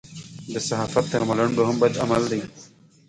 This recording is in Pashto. د صحافت تر ملنډو هم بد عمل دی.